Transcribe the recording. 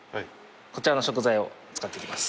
こちらの食材を使っていきます